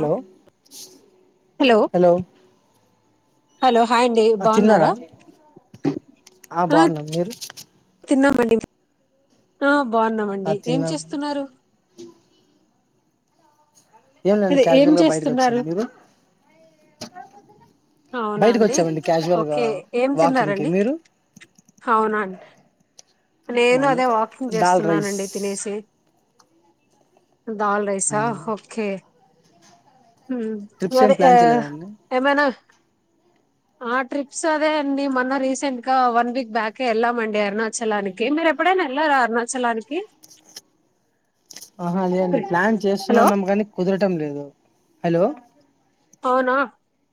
Hello hello hello hi అండి ఆ తిన్నారా బాగున్నారా ఆ బాగున్నాం మీరు తిన్నామండి ఆ బాగున్నామండి ఏం తిన్నాం చేస్తున్నారు? ఏం లేండి అదే ఏం క్యాజువల్ గా బయటకి చేస్తున్నారు వచ్చర మీరు బయటకి అవునాండి వచ్చామండి క్యాజువల్ గా ఓకే ఏం వాకింగ్ కి తిన్నారండి. మీరు అవునండి నేను మామూలు అదే వాకింగ్ దాల్ రైస్ చేస్తున్నానండి తినేసి దాల్ ఆ రైసా ఓకే ట్రిప్స్ ఏం మదిహా ప్లాన్ ఆ చేయలేదండి ఏమనా ఆ ట్రిప్స్ అదే అండీ మొన్న రీసెంట్గా వన్ వీక్ బ్యాకే వెళ్ళామండి అరుణాచలానికి. ఓకే మీరు ఎప్పుడైనా వెళ్లారా అరుణాచలానికి ఆహ అదే అండి ప్లాన్ హలో చేస్తున్నాన్నాము. కానీ కుదరడం కుదరడం లేదు హలో అవునా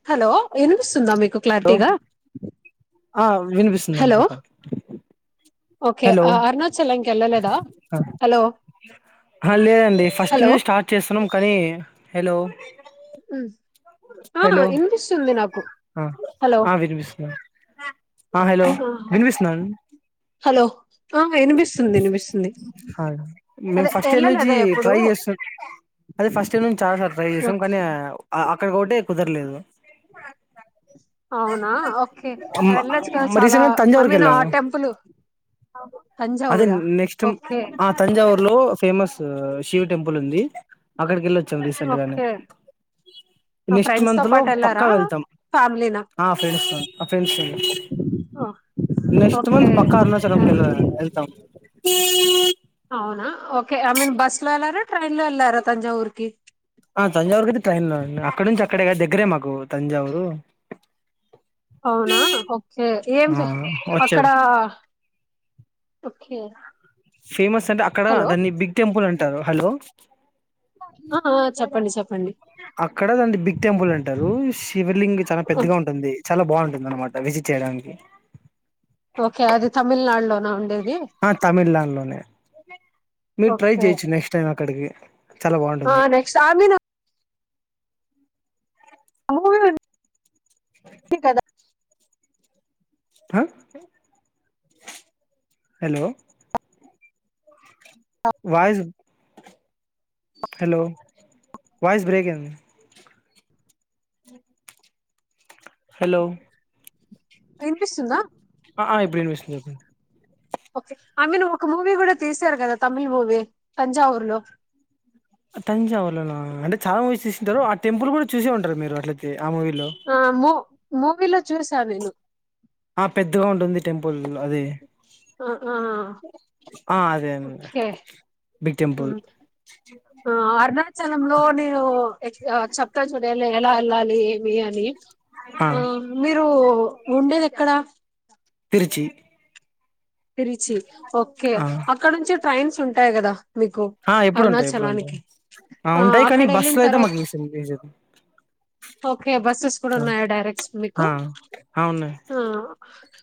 హలో వినిపిస్తుందా. మీకు హలో క్లారిటీగా ఆ వినిపిస్తుందని హలో చెప్పండి. ఓకే హలో ఆ అరుణాచలం కి వెళ్ళలేదా హలో లేదండి ఫస్ట్ హలో నుంచి స్టార్ట్ చేస్తున్నాం కానీ హలో ఉమ్. ఆ హలో వినిపిస్తుంది నాకు విష్ణ హలో ఆహ్ వినిపిస్తుందడి హలో ఆ, విన్ విష్ణ హలో ఆ వినిపిస్తుంది వినిపిస్తుంది ఆహ్ మేము అదే ఫస్ట్ ఇయర్ నుంచి వెళ్ళలేదా ఎప్పుడు ట్రై చేస్తాం. అదే ఫస్ట్ ఇయర్ నుంచి చాలా ట్రై చేస్తాం ఓకే. కానీ అక్కడికి ఒకటే కుదరలేదు. అవునా ఓకే వెళ్ళొచ్చు కదా చాలా రీసెంట్ గా ఐ తంజావూరుకి మీన్ ఆ వెళ్ళాము టెంపుల్ అ అదే నెక్స్ట్ టైమ్ ఆ తంజావూర్లో ఫేమస్ శివ టెంపుల్ ఉంది. అక్కడికివెళ్ళొచ్చు రీసెంట్గానే ఓకే మా నెక్స్ట్ ఫ్రెండ్స్ తో మంత్ లో పాటు వెళ్ళారా పక్కా వెల్తామ్. ఫ్యామిలీనా ఆహ్ ఫ్రెండ్స్తో ఓ, నెక్స్ట్ ఓకే మంత్ పక్కా అరుణాచలం ఆ, [unintelligible] అవునా ఓకే ఐ మీన్ బస్ లో వెళ్లారా, ట్రైన్ లో వెళ్లారా తంజావూరికి. ఆ తంజావూరుకి అయితే ట్రైన్ లో అక్కడ నుంచి అక్కడే కాద దగ్గరే మాకు తంజావూరు అవునా ఓకే ఏం ఆ చేసిండ్రు అక్కడ వచ్చాడు ఓకే ఫేమస్ అంటే అక్కడ హలో దాన్ని బిగ్ టెంపుల్ అం టారు హలో అండి అక్కడ దాన్ని బిగ్ టెంపుల్ అంటారు శివలింగు చాలా పెద్దగా ఉంటుంది చాలా బాగుంటుంది అనమాట విజిట్ చేయడానికి ఓకే అది తమిళనాడు లోన ఉండే ఆ తమిళనాడులోనే మీరు ట్రై ఓకే చేయచ్చు నెక్స్ట్ టైం అక్కడికి చాలా ఆ బాగుంటుంది నెక్స్ట్ ఆమె ఇది కదా హ hello voice hello voice break అయింది హలో వినిపిస్తుందా ఆ ఆ ఇప్పుడు వినిపిస్తుంది ఒకే ఓకే ఐ మీన్ ఒక మూవీ కూడా తీసారు కదా తమిళ్ మూవీ తంజావూర్ లో తంజావుర్లో నా అంటే చాలా మూవీస్ తీస్తుంటారు ఆ టెంపుల్ కూడా చూసే ఉంటారు మీరు అట్లయితే ఆ మూవీలో ఆము మూవీలో చూసా నేను ఆ పెద్దగా ఉంటుంది టెంపుల్ అదే ఆ అదే ఓకే బిగ్ ఉ టెంపుల్ ఆ అరుణాచలంలో నేను ఎట్ల చెప్తా చూడండి ఎలా వెళ్ళాలి ఏమి అని ఆ మీరు ఉ ఉండేది ఎక్కడా తిరుచి తిరిచి ఓకే ఆ అక్కడ నుంచి ట్రైన్స్ ఉం టాయి గదా మీకు ఆ ఎప్పుడు ఉంటాయి ఎప్పుడు ఉంటాయి అరుణాచలానికి ఆ ఉంటాయి కానీ అక్కడ బస్సు వెళ్ళిన లో అయితే తర్వాత మాకు ఈజీ ఈజీగా ఓకే బస్సెస్ కూడా ఆ ఉన్నాయా డైరెక్స్ మీకు ఆ ఆ! ఉన్నాయి ఆ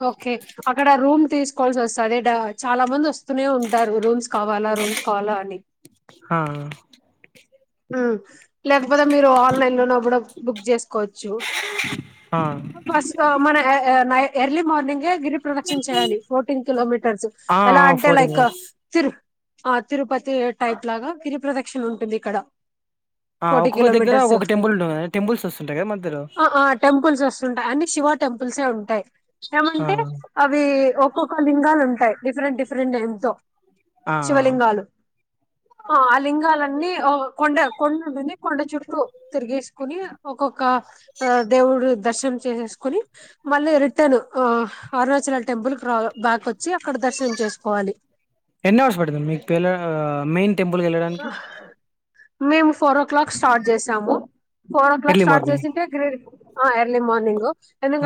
ఓకే అక్కడ రూమ్ తీస్ కాల్స్ వస్త అదే డా చాలా మంది వస్ వస్తూనే ఉంటారు రూమ్స్ కావాలా రూమ్స్ కావాలా అని ఆ లేకపోతే మీరు ఆన్లైన్ లోన కూడా బుక్ చేస్ చ్చు ఆ ఆ ఫస్ మన ఎ ఎ నై ఎర్లీ మార్నింగే గిరి ప్రదక్షణ చేయాలి ఫోర్టీన్ కిలోమీటర్స్ ఆ ఎలా ఆ! అంటే ఫోర్టీన్ లైక్ మినిట్స్ తిరు ఆ తిరుపతి టైట్ లాగా గిరిప్రద న్ ఉంటుంది ఇక్కడ. ఆ ఫోర్టీ ఒక్కొక్క దగ్గర కిలోమీటర్స్. ఒక్కొక్క టెంపుల్ ఉంటుంది కదా టెంపుల్స్ వస్తుంటాయి కదా మధ్యలో ఆ ఆ టెంపుల్స్ వస్తుంటాయి. అన్ని శివ టెంపుల్సే ఉంటాయి. ఆ ఏమంటే అవి ఒక్కొక్క లింగాలు ఉంటాయి. డిఫరెంట్ డిఫరెంట్ ఏమ్తో ఆ శివలింగాలు ఆ ఆ లింగాలన్నీ కొండ కొండుంటుంది కొండ చుట్టు తిరిగేసుకుని ఒక కా దేవుడు దర్శనం చేసేస్కొని మళ్ళీ రిటర్న్ అణాచల్ టెంపుల్ రా బాక్ వచ్చి అక్కడ దర్శనం చేసుకోవాలి. టెంపుల్కెళ్ళడానికి మేము ఫోర్ ఓ క్లాక్ స్టార్ట్ చేసాము. Four o'clock early start morning చేసింటే [inaudible] ఆ ఎర్లీ మార్నింగ్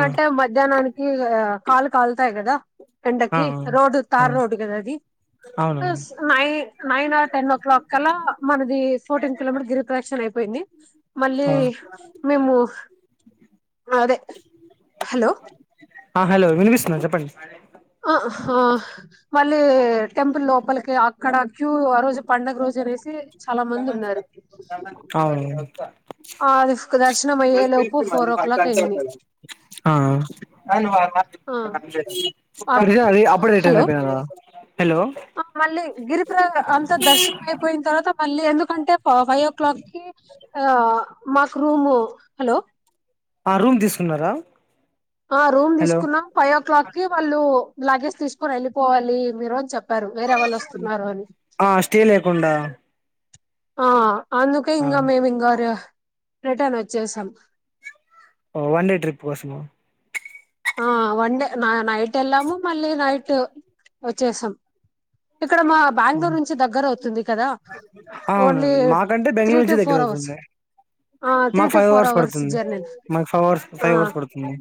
ఆ మధ్యానానికి ఆ కాల్ కాల్తాయ్ కదా. ఆ ఎండకి రోడ్ ఆ ఆ! తార్ రోడ్ గదా అది అవునవును నై nine or ten o'clock కల్ల మనది ఫోర్టీన్ కిలోమీటర్ గిరిప్రదక్షిణ అయిపోయింది. మళ్ళీ ఆ మేము అదే హలో ఆ హలో వినిపిస్తుంది చెప్పండి. ఆహ ఆ మళ్ళీ టెంపుల్ లోపల్కి అక్కడ క్యూ ఆ రోజు పండుగ రోజు అనేసి చాలా మంది ఉన్నారు అవును ఆ అది దర్శనం అయ్యే లోపు ఫోర్ ఓ క్లాక్ అయింది ఆ ఆ అప్పుడే రిటర్న్ హలో అయిపోయినారా హలో ఆ మళ్ళీ గిరి ఆ అంత దర్శనం అయిపోయిన్ తర్వాత మళ్ళీ ఎందుకంటే ఫైవ్ ఓ క్లాక్ కి ఆ మాకు రూము హలో ఆ రూమ్ తీసుకున్నారా? ఆ రూమ్ హలో తీసుకున్నాం ఫైవ్ ఓ క్లాక్కి వాళ్ళు లగేజ్ తీసుకొని వెళ్ళిపోవాలి మీరు అని చెప్ చెప్పారు వేరే ఎవళ్ళు వస్తున్నారు అని ఉండా ఆ అందుకే ఇంగ మేము ఇంగ రే రిటర్న్ వచ్చేేశాం ఓ వన్ డే ట్రిప్ కోసము ఆ వన్ డే నైట్ ఎళ్ళాము మళ్ళీ నైట్ వచ్చేసాం ఇక్కడ మా బెంగళూరు నుంచి దగ్గర అవుతుంది కదా ఓన్లీ అవునండి మాకంటే త్రీ బెంగళూరు టు నుంచి దగ్గర ఫోర్ అవర్స్ అవుతుంది అ త్రీ మాకు టు ఫైవ్ ఫోర్ అవర్స్ పడుతుంది జర్నీ మాకు ఫైవ్ అవర్స్ అ ఫైవ్ అవర్స్ పడుతుంది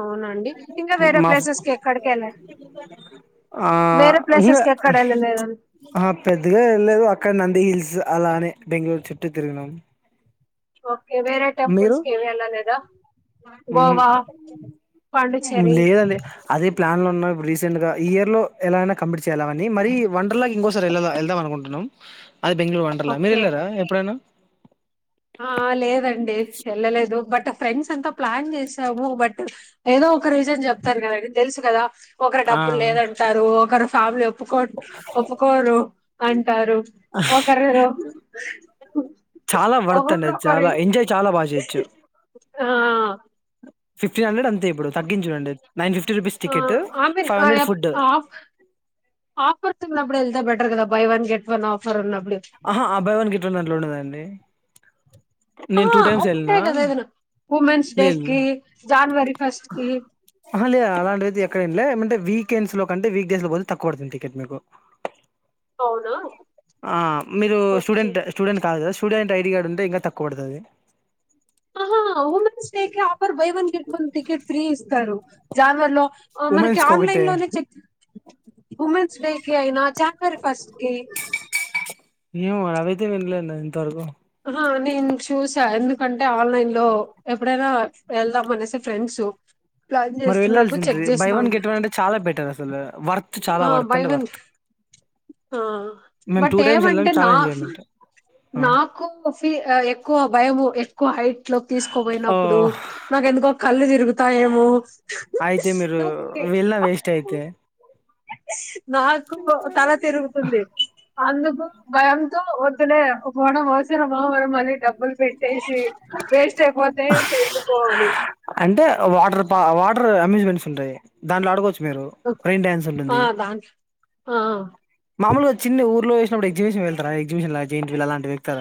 అవునండి ఇంకా వేరే మా ప్లేసెస్కి ఎక్కడిక ఏళ్ల వేరే ఇకా ప్లేసెస్ కి ఎక్కడ వెళ్ళలేదండి ఆ పెద్దగా వెళ్ళారు అక్కడ నంది హిల్స్ అలానేే బెంగళూరు చుట్టు తిరిగినమ్ ఓకే వేరే టెంపుల్స్ కి ఏమి వెళ్ళలేదా గోవా పాండిచ్చేరి లేదండి అదే ప్లాన్ లో ఉన్నం రీసెంట్ గా ఈ ఇయర్ లో ఎలాగైనా కంపి చలా అని మరి వండర్ లాగా ఇంకోసారి వెళ్ళా వెళ్దాం అనుకుంటున్నాం అది బెంగళూరు వండర్ల మీరు ఓకే వెళ్ళారా ఎప్పుడైనా ఆ లేదండి లేదు ఏళ్లలేదు బట్ ఫ్రెండ్స్ అంతా ప్లాన్ చేసాము బట్ ఏదో ఒక రీజన్ చెప్తారు కద తెలుసు కదా ఒకరు ఆ డబ్బులు లేదంటారు ఒకరు ఫ్యామిలీ ఒప్పుకో ఒప్పుకోరు అంటారు ఒకరురు చాలా వర్త్ చాలా ఎంజయ్ చాలా బాగా చేయచ్చు ఆ ఫిఫ్టీన్ హండ్రెడ్ అ ఆ అమిన్ ఫైవ్ ఆ hundred F food of offers ఉన్నపుడు వెళ్తే బెటర్ కదా బయ్ వన్ గేట్ న్ ఆఫర్ వున్న ఆహా ఆ బయ్ వన్ గేట్ వన్ ఆట్లుండదండి ఆ నేను టూ టైమ్స్ వెళ్ళిన ఉంటాయి కదా ఏదైనా ఉమెన్స్ డే లేదు కి జనవరి ఫస్ట్ కి ఆ లేద అలాంటియితే ఎక్కడ ఏం లే ఏంటే వీక్ వీకెండ్స్ లో కంటే వీకెండ్ లో పోతే తక్కువ పడుతుంది టికెట్ మీకు అవునా ఆ మీరు ఓకే స్టూడెంట్ స్టూడెంట్ కాదు కదా స్టూడెంట్ ఐడి కార్డు ఉంటే ఇంకా తక్కువ పడతది ఊహూ ఉమెన్స్ డే కి offer buy one get one ticket free ఇస్తారు జాన్వర్ లో మనకి ఉమెన్స్ కి ఒకటే ఆన్లైన్ లోనే చెక్ ఉమెన్స్ డే కి అయినా జనవరి ఫస్ట్ కి ఏమో అవి అయితే వినలే నేను ఇంతవరకు ఆహ నేను చూసా ఎందుకంటే ఆన్లైన్ లో ఎప్పుడైనా వెళ్దాం అనేసి ఫ్రెండ్స్ ప్లాన్ మరి చేస్తున్నప్పుడు వెళ్ళాల్సింది చెక్ బై చేస్తా వన్ ఉంటా గెట్ వన్ అంటే చాలా బెటర్ అసలు వర్త్ చాలా వర్త్ బై అంటే వన్ వర్త్ మేము టూ బట్ టైమ్స్ వెళ్ళాం ఏమంటే చాలా ఎంజాయ్మెంట్ ఎక్కువ ఫీ ఎక్కువ భయం ఎక్కువ హైట్ లిఫ్ట్ ఓ లోకితీసుకోపోయినప్పుడు నాకు ఎందుకో కళ్ళు తిరుగుతాయేమో అయితే మీరు వెళ్ళిన వేస్ట్ అయితే నాకు తల తిరుగుతుంది అందుకు. భయంతో వద్దులే పోవడం అవసరమా మరి డబ్బు డబ్బులు పెట్టేసి వేస్ట్ అయిపోతే ఇంకా ఎందుకు అని అంటే వాటర్ పార్. వాటర్ అమ్యూజ్మెంట్స్ దాంట్లో ఆడుకోవచ్చు. మీరు రెయిన్ డ్యాన్స్ ఆ! ఉంటుంది దాంట్లో ఆ! మామూలుగా చిన్న ఊర్లో. అప్పుడే. ఎగ్జిబిషన్ వెళ్తారా ఎగ్జిబిషన్ లా జెం జెయింట్ వీల్ అలాంటి వి ఎక్కుతార.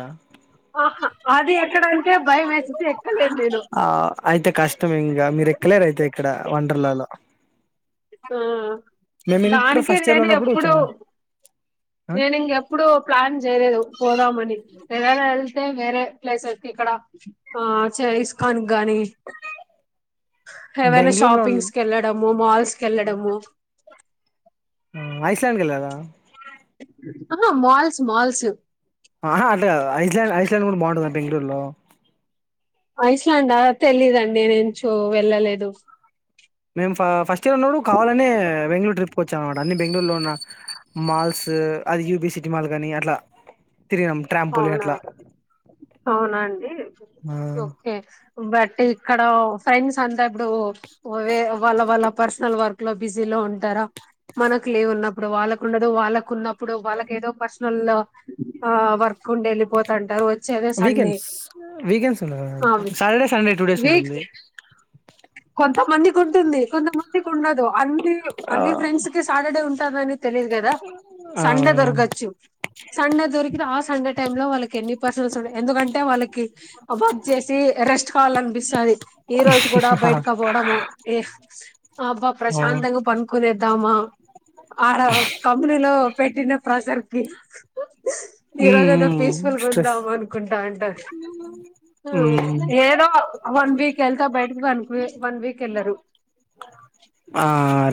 ఆహా అది ఎక్కడానికే భయం వేసేసి ఎక్కలేదు నేను. ఆ అయితే. కష్టం ఇంకా మీరు ఎక్కలేరు అయితే ఇక్కడ వండర్లాలో. ఆ మేము ఇంటర్ దానికి ఫస్ట్ ఇయర్ లో నేను ఉన్నప్పుడు ఎప్పుడు వచ్చినాం నేను ఇంకెప్పుడు ప్లాన్ చేయలేదు పోదామని ఏదైనా వెళ్తే వేరే. ప్లస్ ఇక్కడ ఆ ఇస్కాన్. గాని హెవెన్ ఆఫీసు బెంగళూరులో షాపింగ్ వెళ్ళాడం గాని మాల్స్. వెళ్ళాడము. ఓ ఐస్ల్యాండ్ కి వెళ్ళారా. ఆహా మాల్స్ మాల్స్. ఆహా అట్లా ఐస్ల్యాండ్ ఐస్ల్యాండ్ కూడా బాగుంటుంద బెంగళూరులో. ఐస్ల్యాండా తెలీయదండి నేనుంచో వెళ్ళలేదు. మేము ఫ ఫస్ట్ ఇయర్ ఉన్నప్పుడు కావాలనే బెంగళూరు ట్రిప్ కి వచ్చాం అన్నమాట అన్ని బెంగళూరులో ఉన్న మాల్స్ అది యూపీ సిటీ మాల్స్ కానీ అట్లా. తిరిగినాం ట్రాంపోలిన్ అట్లా అవునవును అవున అండి ఆ ఓకే బట్ ఇక్కడ. ఫ్రెండ్స్ అంతా ఇప్పుడు వాళ్ళ వాళ్ళ పర్సనల్ వర్క్ లో బిజీలో ఉంటారా. మనకు లే ఉన్నప్పుడు వాళ్ళ ఉండదు వాళ్ళకు ఉన్నప్పుడు వాళ్ళకి ఏదో పర్సనల్. ఆ వర్క్ ఉండి వెళ్ళిపోతంటారు. వచ్చేదే సండే వీకెండ్స్ వీకెండ్స్ ఉండ రా ఆ Saturday Sunday two days week ఉంటుంది. కొంతమందికి ఉంటుంది కొంతమందికి ఉండదు అన్ని అన్ని ఫ్రెండ్స్ కి సాటర్డే ఉంన్ టది అని తెలియదు కదా ఆ సండే దొరకచ్చు సండే దొరికి ఆ సండే. టైమ్ లో వాళ్ళ కి ఎన్ని పర్సన్స్ ఎందుకంటే వాళ్ళకి వచ్చేసి రెస్ట్ కాలనిపిస్తది ఈ రోజు. హహ బయటకి పోవడము ఓ అబ్బా ఆ ప్రశాంతంగా పనుకునే. టామ ఆడ కంపనీలో పెట్టిన ప్రజర్ కి ఈ ఉమ్ రోజు అన్న ఉమ్ పీస్ఫుల్గా స్ట్రెస్ ఉందాము అనుకుంటా అంట ఉమ్ ఏదో వన్ వీక్ వెళ్తా బయట్ వన్ వే వన్ వీక్ ఎల్లారు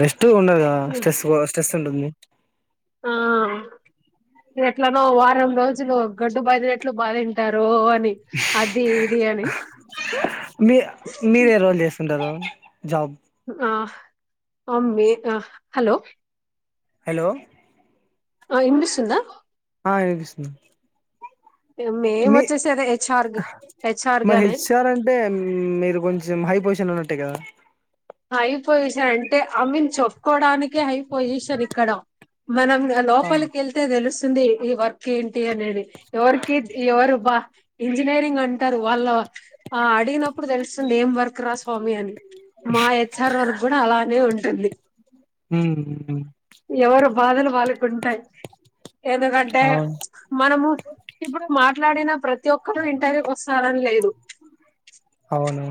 రెస్ట్ ఉండదు ఆ స్ట్రెస్ వో స్ట్రెస్ ఉంటుంది ఆ ఎట్లానో వారం రోజులు గడ్డు బాదిినెట్లు బాధింటారు అది ఇది అని మీ మీరే రోల్ చేస్తుంటారు జాబ్ ఆ అమ్మే ఆ హలో హలో ఆ ఇన్పిస్తుందా ఆ వినిపిస్తుంది మేము మీ వచ్చేసి అదే హెచ్ఆర్ హెచ్ఆర్ మరి గానే హెచ్ఆర్ అంటే మీరు కొంచెం హై పొజిషన్ ఉన్నట్టే కదా హై పొజిషన్ అంటే ఐ మీన్ చెప్పుకోవడానికే హై పొజిషన్ ఇక్కడ మనం అ గా లోపల కెళ్తే దేలుస్ తుంది ఈ వర్క్ ఏంటి ది అనేది ఎవరికి ఎవరు బా ఇంజనీరింగ్ అంటారు వాళ్ళ ఆ అడిగినప్పుడు తెలుస్తుంది ఏం వర్క్ రా స్వామి అని మా హెచ్ఆర్ వర్క్ కూడా అలానే ఉంటుంది ఉమ్ ఎవరు బాధలు వాళకుంటాయి ఎందుకంటే అవును మనము ఇప్పుడు మా ట్లాడిన ప్రతి ఒక్కడూ ఇంటర్వ్యూ కి వస్తారని లేదు అవును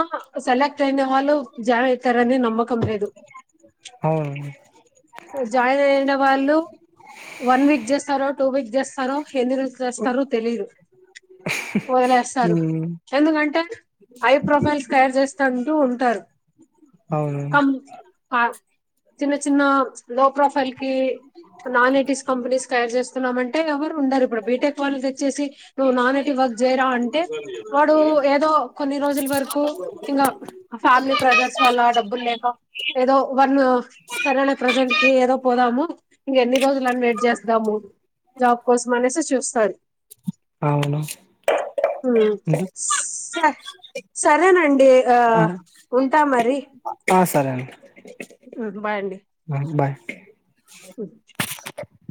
ఆ సేల ఆ అయిన వాళ్ళు జాయిన్ అవుతారని నమ్మకం లేదు. అవును జాయిన్ అయిన వాళ్ళు వన్ వీక్ చేస్తారో టూ వీక్ చేస్తారో హెన్ని రోజులు చేస్తారు తెలీదు వదిలేస్తారు ఉమ్ ఎందుకంటే హై ప్రొఫైల్స్ తయారు చేస్త. తంటూ అంటూ ఉంటారు. అవును కం క. చిన్న చిన్న. లో ప్రొఫైల్ కీ. నాన్ ఎటీస్ కంపెనీస్ తయారు చేస్త. వెళ్తున్న మంటే ఎవరు ఉండరు ఇప్పుడు బీటెక్ వాళ్ళు తెచ్చేసి నువ్వు నానటి వద్. జయరా అంటే వాడు ఏదో కొన్ని రోజుల వరకు ఇంకా ఫ్యామిలీ బ్రదర్స్ వల్ల డబ్బు. ఏదో వన్ సరే లె ప్రజెంట్. ఏదో పోదాము ఇంక ఎన్ని రోజులని వెయిట్ చేస్తాము జాబ్ కోసం అనేసి చూస్తారు. అవును ఉ సా సరేనండి ఆ ఉంటా మరి. ఆ సరే ఆండీ. ఊహు బాయండి. బాయ్ స్ బాయ్. వొచ్చు.